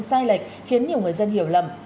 sai lệch khiến nhiều người dân hiểu lầm